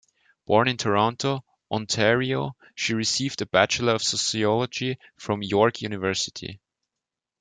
Born in Toronto, Ontario, she received a Bachelor of Sociology from York University.